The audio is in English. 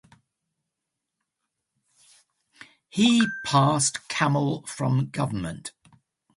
He passed Kamel from Govt.